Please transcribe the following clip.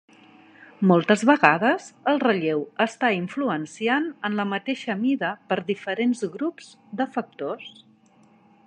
Moltes vegades el relleu està influenciant en la mateixa mida per diferents grups de factors.